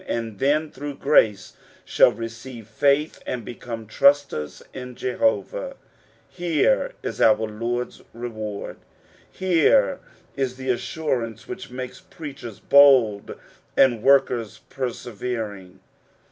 and then through grace shall receive faith and become trusters in Jehovah. Here is our Lord's renard. Here is the assurance which makes preachers bold and workers persevering.